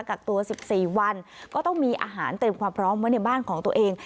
กักตัว๑๔วันก็ต้องมีอาหารเตรียมความพร้อมไว้ในบ้านของตัวเอง